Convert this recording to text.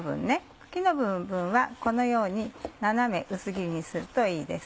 茎の部分はこのように斜め薄切りにするといいです。